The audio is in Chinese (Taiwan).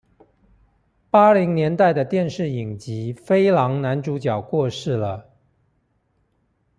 八零年代的電視影集《飛狼》男主角過世了